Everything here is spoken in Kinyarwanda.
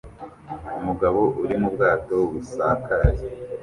Umugabo uri mu bwato busakaye